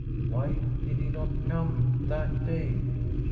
Why did he not come that day?